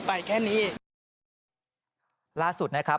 ปี๖๕วันเช่นเดียวกัน